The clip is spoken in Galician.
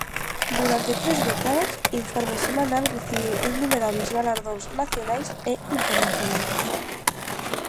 Durante tres décadas "Informe semanal" recibiu innumerables galardóns nacionais e internacionais.